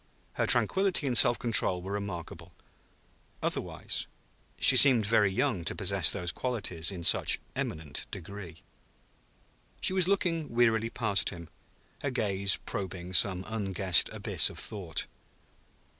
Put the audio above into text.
Her tranquillity and self control were remarkable, otherwise; she seemed very young to possess those qualities in such eminent degree. She was looking wearily past him, her gaze probing some unguessed abyss of thought.